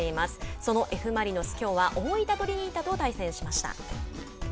そのＦ・マリノスきょうは大分トリニータと対戦しました。